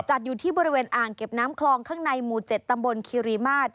จัดอยู่ที่บริเวณอ่างเก็บน้ำคลองข้างในหมู่๗ตำบลคิริมาตร